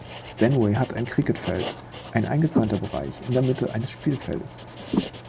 Stanway hat ein Kricketfeld, ein eingezäunter Bereich in der Mitte eines Spielfeldes.